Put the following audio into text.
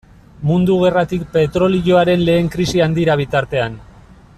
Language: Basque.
Mundu Gerratik petrolioaren lehen krisi handira bitartean.